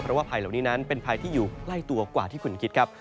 เพราะว่าภัยเหล่านี้นั้นเป็นภัยที่อยู่ใกล้ตัวกว่าที่คุณคิดครับ